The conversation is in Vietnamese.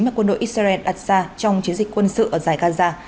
mà quân đội israel đặt ra trong chiến dịch quân sự ở giải gaza